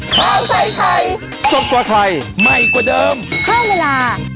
สวัสดีค่ะสวัสดีค่ะ